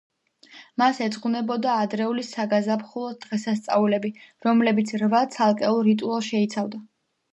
მას ეძღვნებოდა ადრეული საგაზაფხულო დღესასწაულები, რომლებიც რვა ცალკეულ რიტუალს შეიცავდა.